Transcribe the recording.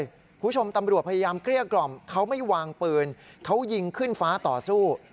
คุณผู้ชมตำรวจพยายามเกลี้ยกล่อมเขาไม่วางปืนเขายิงขึ้นฟ้าต่อสู้